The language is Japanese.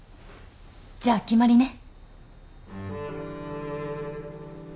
じゃ決まりね。